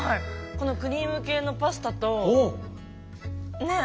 このクリーム系のパスタとねえ